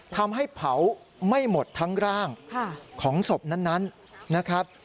ทำให้เผาไม่หมดทั้งร่างของศพนั้นนะครับ